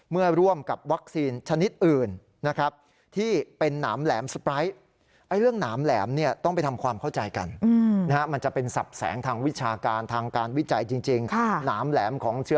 ร่วมกับวัคซีนชนิดอื่นนะครับที่เป็นหนามแหลมสไปร์